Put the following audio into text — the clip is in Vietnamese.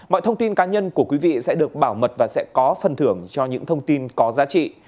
mọi thông tin cá nhân của quý vị sẽ được bảo mật và sẽ có phần thưởng cho những thông tin có giá trị